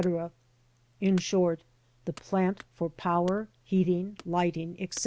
ŌĆö in short, the plant for power, heating, lighting, etc.